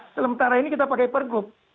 sementara ini kita pakai pergub